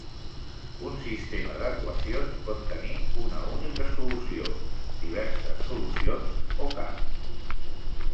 Un sistema d'equacions pot tenir una única solució, diverses solucions, o cap.